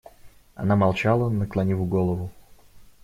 Она молчала, наклонив голову.